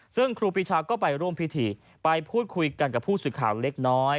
ซึ่งครูปีชาก็ไปร่วมพิธีไปพูดคุยกันกับผู้สื่อข่าวเล็กน้อย